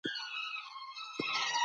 پښتو ژبه ساده ده.